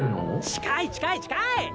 近い近い近い！